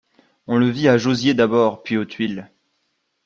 On le vit à Jauziers d’abord, puis aux Tuiles.